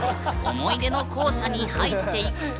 思い出の校舎に入っていくと。